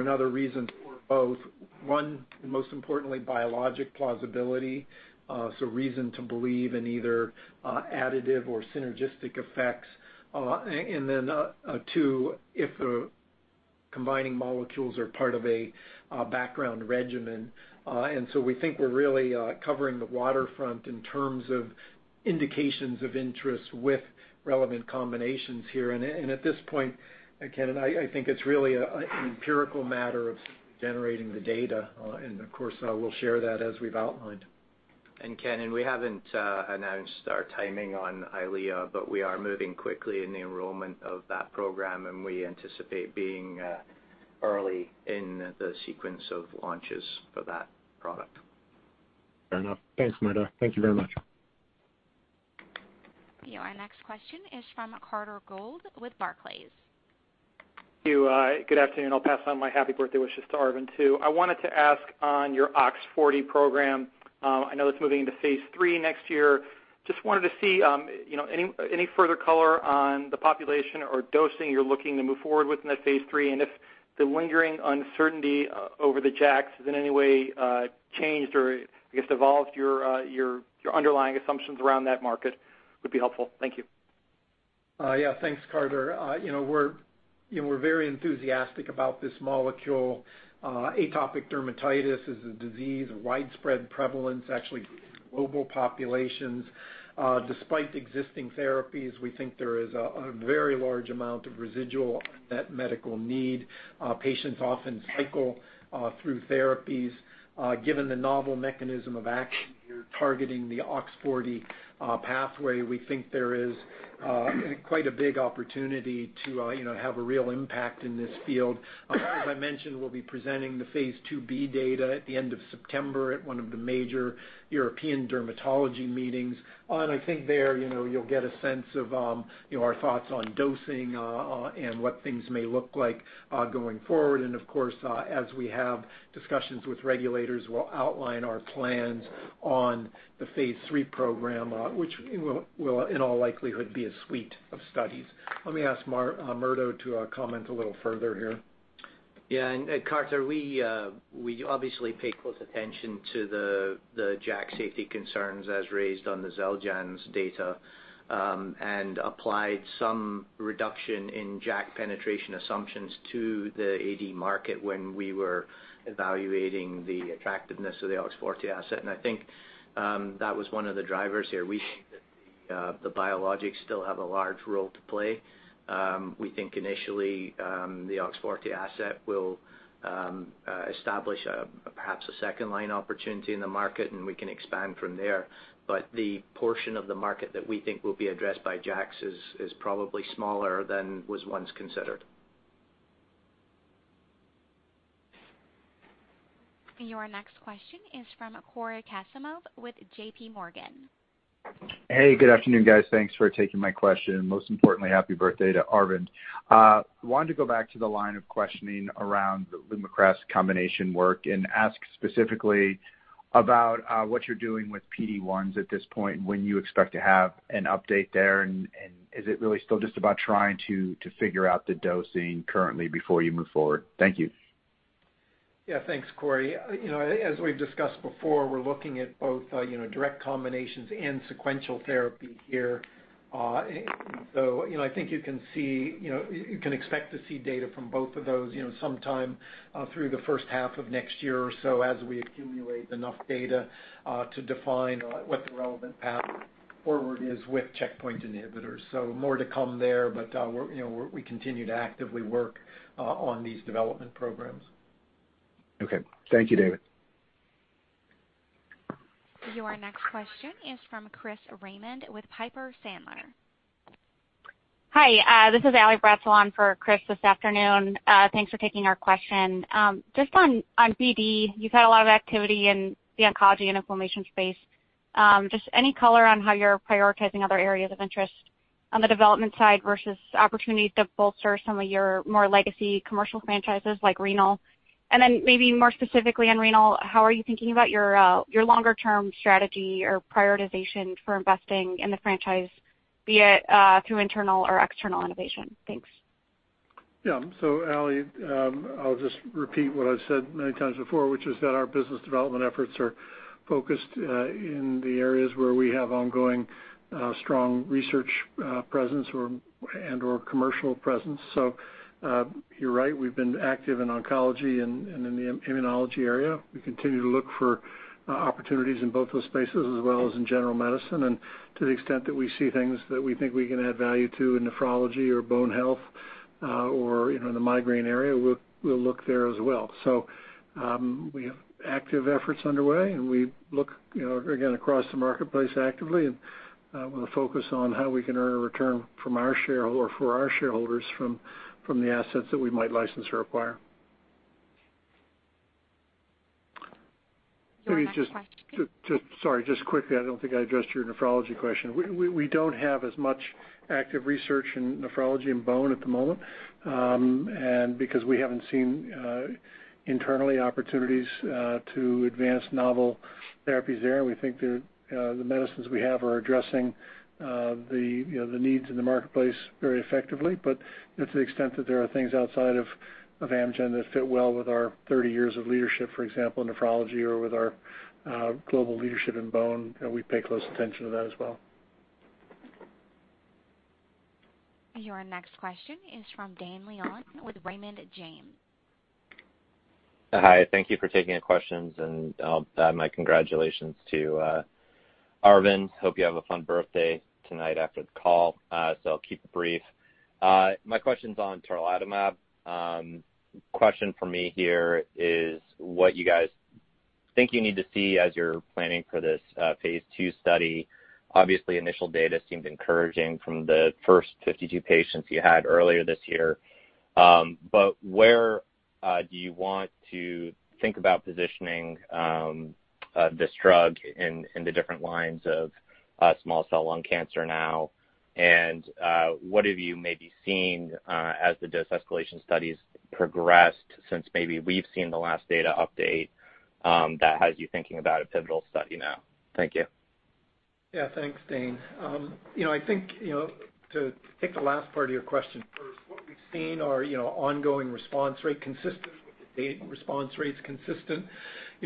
another reason, or both. One, most importantly, biologic plausibility, so reason to believe in either additive or synergistic effects, then two, if combining molecules are part of a background regimen. We think we're really covering the waterfront in terms of indications of interest with relevant combinations here. At this point, Ken, I think it's really an empirical matter of generating the data. Of course, we'll share that as we've outlined. Ken, we haven't announced our timing on EYLEA, but we are moving quickly in the enrollment of that program, and we anticipate being early in the sequence of launches for that product. Fair enough. Thanks, Murdo. Thank you very much. Our next question is from Carter Gould with Barclays. Good afternoon. I'll pass on my happy birthday wishes to Arvind too. I wanted to ask on your OX40 program, I know that's moving into phase III next year. Just wanted to see any further color on the population or dosing you're looking to move forward with in that phase III, and if the lingering uncertainty over the JAKs has in any way changed or, I guess, evolved your underlying assumptions around that market would be helpful. Thank you. Thanks, Carter Gould. We're very enthusiastic about this molecule. Atopic dermatitis is a disease of widespread prevalence, actually global populations. Despite existing therapies, we think there is a very large amount of residual unmet medical need. Patients often cycle through therapies. Given the novel mechanism of action here, targeting the OX40 pathway, we think there is quite a big opportunity to have a real impact in this field. As I mentioned, we'll be presenting the phase II-B data at the end of September at one of the major European dermatology meetings. I think there, you'll get a sense of our thoughts on dosing, and what things may look like going forward. Of course, as we have discussions with regulators, we'll outline our plans on the phase III program, which will, in all likelihood, be a suite of studies. Let me ask Murdo to comment a little further here. Yeah. Carter, we obviously pay close attention to the JAK safety concerns as raised on the Xeljanz data, and applied some reduction in JAK penetration assumptions to the AD market when we were evaluating the attractiveness of the OX40 asset. I think that was one of the drivers here. We think that the biologics still have a large role to play. We think initially, the OX40 asset will establish perhaps a second-line opportunity in the market, and we can expand from there. The portion of the market that we think will be addressed by JAKs is probably smaller than was once considered. Your next question is from Cory Kasimov with JPMorgan. Hey, good afternoon, guys. Thanks for taking my question. Most importantly, happy birthday to Arvind. Wanted to go back to the line of questioning around the LUMAKRAS combination work and ask specifically about what you're doing with PD-1s at this point and when you expect to have an update there. Is it really still just about trying to figure out the dosing currently before you move forward? Thank you. Yeah. Thanks, Cory. As we've discussed before, we're looking at both direct combinations and sequential therapy here. I think you can expect to see data from both of those sometime through the first half of next year or so as we accumulate enough data to define what the relevant path forward is with checkpoint inhibitors. More to come there, but we continue to actively work on these development programs. Okay. Thank you, Dave. Your next question is from Chris Raymond with Piper Sandler. Hi, this is Allison Bratzel for Chris this afternoon. Thanks for taking our question. On BD, you've had a lot of activity in the oncology and inflammation space. Any color on how you're prioritizing other areas of interest on the development side versus opportunities to bolster some of your more legacy commercial franchises like renal? Maybe more specifically on renal, how are you thinking about your longer-term strategy or prioritization for investing in the franchise, be it through internal or external innovation? Thanks. Yeah. Allison, I'll just repeat what I've said many times before, which is that our business development efforts are focused in the areas where we have ongoing strong research presence and/or commercial presence. You're right, we've been active in oncology and in the immunology area. We continue to look for opportunities in both those spaces as well as in general medicine. To the extent that we see things that we think we can add value to in nephrology or bone health, or in the migraine area, we'll look there as well. We have active efforts underway, and we look, again, across the marketplace actively, and with a focus on how we can earn a return for our shareholders from the assets that we might license or acquire. Let me just Sorry, just quickly, I don't think I addressed your nephrology question. We don't have as much active research in nephrology and bone at the moment, because we haven't seen internally opportunities to advance novel therapies there, we think the medicines we have are addressing the needs in the marketplace very effectively. To the extent that there are things outside of Amgen that fit well with our 30 years of leadership, for example, in nephrology or with our global leadership in bone, we pay close attention to that as well. Your next question is from Dane Leone with Raymond James. Hi, thank you for taking the questions. I'll add my congratulations to Arvind. Hope you have a fun birthday tonight after the call. I'll keep it brief. My question's on tarlatamab. Question from me here is what you guys think you need to see as you're planning for this phase II study. Obviously, initial data seemed encouraging from the first 52 patients you had earlier this year. Where do you want to think about positioning this drug in the different lines of small cell lung cancer now? What have you maybe seen as the dose escalation studies progressed since maybe we've seen the last data update that has you thinking about a pivotal study now? Thank you. Yeah, thanks, Dane. I think, to take the last part of your question first, what we've seen are ongoing response rate consistent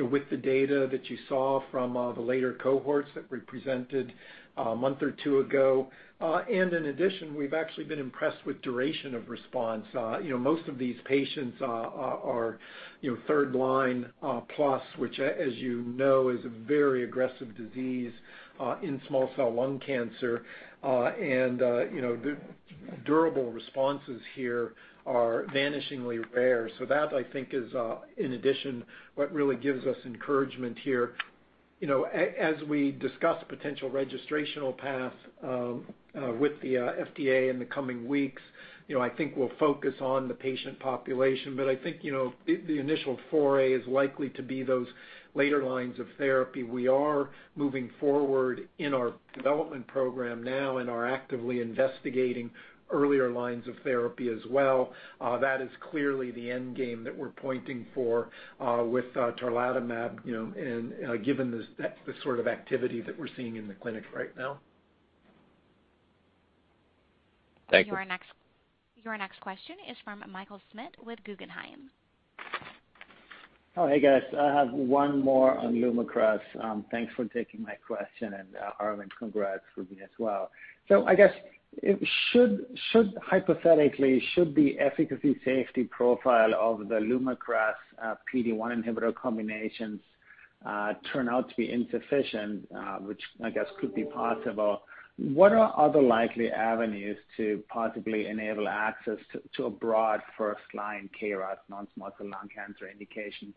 with the data that you saw from the later cohorts that we presented a month or two ago. In addition, we've actually been impressed with duration of response. Most of these patients are 3rd-line plus, which as you know, is a very aggressive disease in small cell lung cancer. Durable responses here are vanishingly rare. That, I think, is in addition, what really gives us encouragement here. We discuss potential registrational paths with the FDA in the coming weeks, I think we'll focus on the patient population, but I think the initial foray is likely to be those later lines of therapy. We are moving forward in our development program now and are actively investigating earlier lines of therapy as well. That is clearly the end game that we're pointing for with tarlatamab, and given the sort of activity that we're seeing in the clinic right now. Thank you. Your next question is from Michael Schmidt with Guggenheim. Oh, hey, guys. I have one more on LUMAKRAS. Thanks for taking my question, and Arvind, congrats from me as well. I guess, hypothetically, should the efficacy safety profile of the LUMAKRAS PD-1 inhibitor combinations turn out to be insufficient, which I guess could be possible, what are other likely avenues to possibly enable access to a broad first-line KRAS non-small cell lung cancer indication?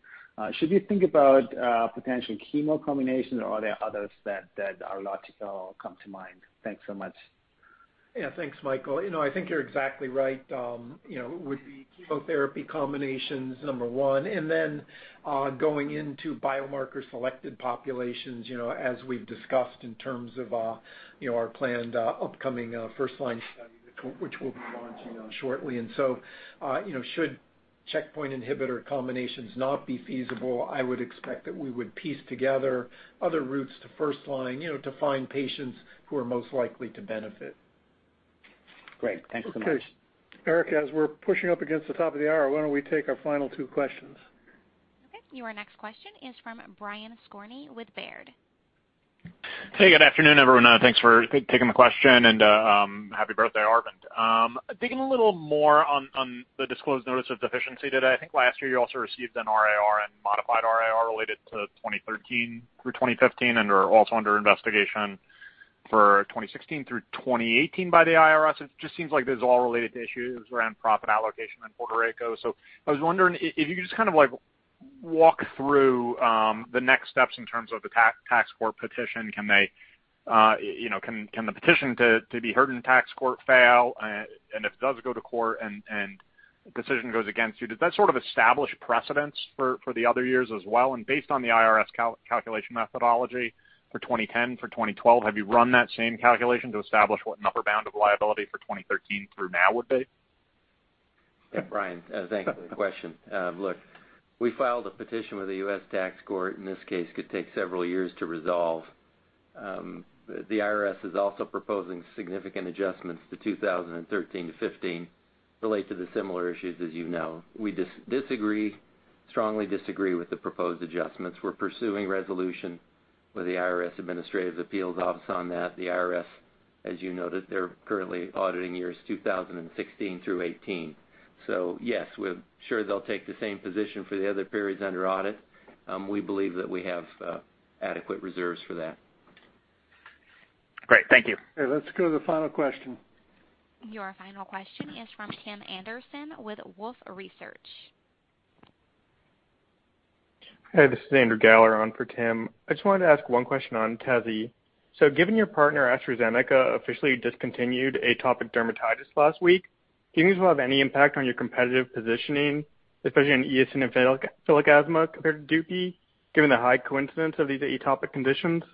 Should we think about potential chemo combination, or are there others that are logical come to mind? Thanks so much. Yeah. Thanks, Michael. I think you're exactly right. It would be chemotherapy combinations, number one, then going into biomarker selected populations as we've discussed in terms of our planned upcoming first-line study, which we'll be launching shortly. Should checkpoint inhibitor combinations not be feasible, I would expect that we would piece together other routes to first-line to find patients who are most likely to benefit. Great. Thanks so much. Okay. Erica, as we're pushing up against the top of the hour, why don't we take our final two questions? Okay. Your next question is from Brian Skorney with Baird. Hey, good afternoon, everyone. Thanks for taking the question, and happy birthday, Arvind. Digging a little more on the disclosed notice of deficiency today. I think last year you also received an RAR and modified RAR related to 2013 through 2015 and are also under investigation for 2016 through 2018 by the IRS. It just seems like this is all related to issues around profit allocation in Puerto Rico. I was wondering if you could just kind of walk through the next steps in terms of the tax court petition. Can the petition to be heard in tax court fail? If it does go to court and the decision goes against you, does that sort of establish precedents for the other years as well? Based on the IRS calculation methodology for 2010, for 2012, have you run that same calculation to establish what an upper bound of liability for 2013 through now would be? Yeah, Brian, thanks for the question. Look, we filed a petition with the U.S. Tax Court, and this case could take several years to resolve. The IRS is also proposing significant adjustments to 2013 to 2015 relate to the similar issues, as you know. We strongly disagree with the proposed adjustments. We're pursuing resolution with the IRS Independent Office of Appeals on that. The IRS, as you noted, they're currently auditing years 2016 through 2018. Yes, we're sure they'll take the same position for the other periods under audit. We believe that we have adequate reserves for that. Great. Thank you. Okay, let's go to the final question. Your final question is from Tim Anderson with Wolfe Research. Hi, this is Andrew Geller on for Tim. I just wanted to ask one question on Tezi. Given your partner AstraZeneca officially discontinued atopic dermatitis last week, do you think this will have any impact on your competitive positioning, especially in eosinophilic asthma compared to Dupixent, given the high coincidence of these atopic conditions?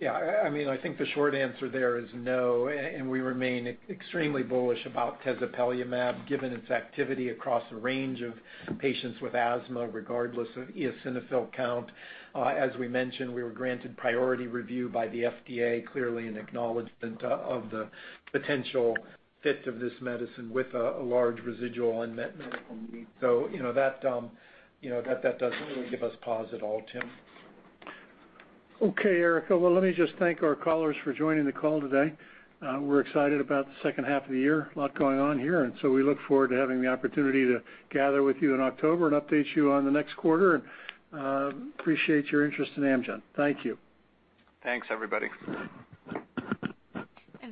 Yeah. I think the short answer there is no, we remain extremely bullish about tezepelumab, given its activity across a range of patients with asthma, regardless of eosinophil count. As we mentioned, we were granted priority review by the FDA, clearly an acknowledgment of the potential fit of this medicine with a large residual unmet medical need. That doesn't really give us pause at all, Tim. Okay, Erica. Well, let me just thank our callers for joining the call today. We're excited about the second half of the year. A lot going on here. We look forward to having the opportunity to gather with you in October and update you on the next quarter and appreciate your interest in Amgen. Thank you. Thanks, everybody.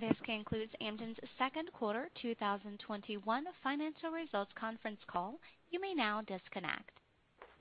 This concludes Amgen's Q2 2021 financial results conference call. You may now disconnect.